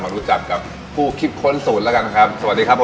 รู้จักกับผู้คิดค้นสูตรแล้วกันครับสวัสดีครับผม